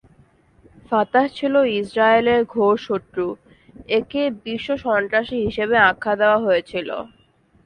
Fattah ছিল ইসরায়েলের ঘোর শত্রু, একে বিশ্বসন্ত্রাসী হিসেবে আখ্যা দেওয়া হয়েছিল।